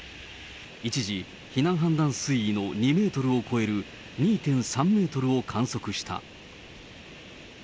一時、避難判断水位の２メートルを超える２．３メートルを観測した。